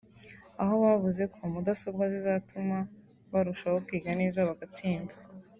aho bavuze ko mudasobwa zizatuma barushaho kwiga neza bagatsinda